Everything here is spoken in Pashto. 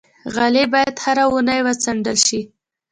غالۍ باید هره اونۍ وڅنډل شي.